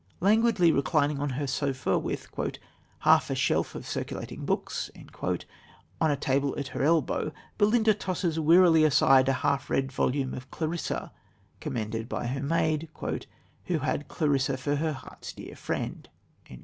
Languidly reclining on her sofa with "half a shelf of circulating books" on a table at her elbow, Belinda tosses wearily aside a half read volume of Clarissa, commended by her maid, "who had Clarissa for her heart's dear friend."